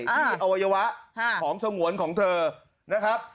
อ่าอันอวัยวะค่ะของสงวนของเธอนะครับ